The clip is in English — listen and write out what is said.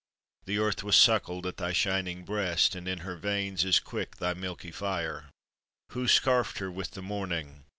The earth was suckled at thy shining breast, And in her veins is quick thy milky fire. Who scarfed her with the morning?